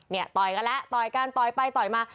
ต่อยกันแล้วต่อยกันต่อยไปต่อยมา